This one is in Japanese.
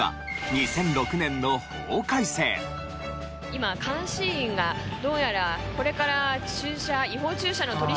今監視員がどうやらこれから駐車。